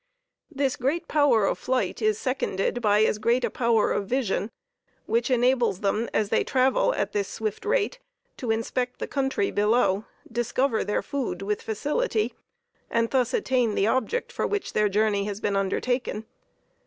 This great power of flight is seconded by as great a power of vision, which enables them, as they travel at that swift rate, to inspect the country below, discover their food with facility, and thus attain the object for which their journey has been undertaken.